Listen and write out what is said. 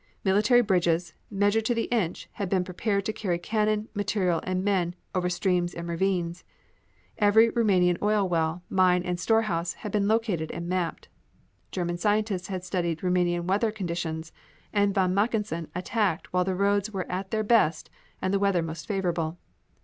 Military bridges, measured to the inch, had been prepared to carry cannon, material and men over streams and ravines. Every Roumanian oil well, mine and storehouse had been located and mapped. German scientists had studied Roumanian weather conditions and von Mackensen attacked while the roads were at their best and the weather most favorable.